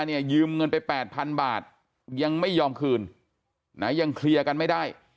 เนี่ยเยี่ยมเงินไป๘พันบาทยังไม่ยอมคืนยังเคลียร์กันไม่ได้